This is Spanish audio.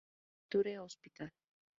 Bonaventure Hospital.